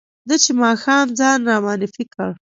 ده چې ماښام ځان را معرفي کړ.